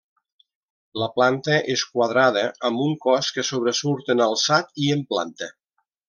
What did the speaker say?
La planta és quadrada amb un cos que sobresurt en alçat i en planta.